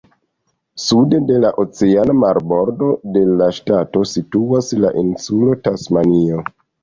Sude de la oceana marbordo de la ŝtato situas la insulo Tasmanio.